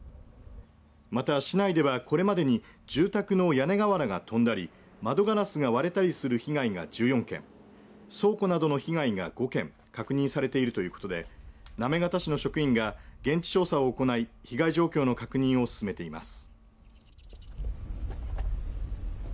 また、市内ではこれまでに住宅の屋根瓦が飛んだり窓ガラスが割れたりする被害が１４件倉庫などの被害が５件確認されているということで行方市の職員が現地調査を行い被害状況の確認を進めています。